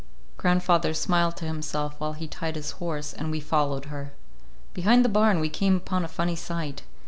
Grandfather smiled to himself while he tied his horse, and we followed her. Behind the barn we came upon a funny sight.